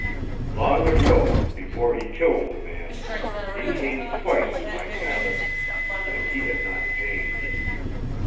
Long ago, before he killed the man, he came twice to my cabin and he had not changed.